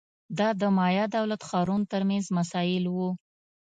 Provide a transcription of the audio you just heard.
دا د مایا دولت ښارونو ترمنځ مسایل وو